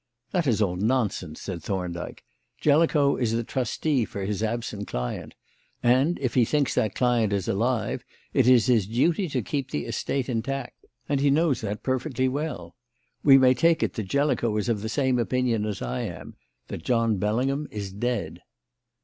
"That is all nonsense," said Thorndyke. "Jellicoe is the trustee for his absent client, and, if he thinks that client is alive, it is his duty to keep the estate intact; and he knows that perfectly well. We may take it that Jellicoe is of the same opinion as I am: that John Bellingham is dead."